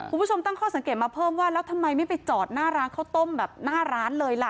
คุณผู้ชมตั้งข้อสังเกตมาเพิ่มว่าแล้วทำไมไม่ไปจอดหน้าร้านข้าวต้มแบบหน้าร้านเลยล่ะ